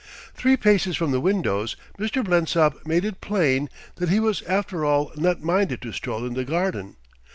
Three paces from the windows, Mr. Blensop made it plain that he was after all not minded to stroll in the garden.